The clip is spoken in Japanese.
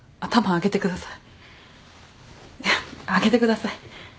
上げてください。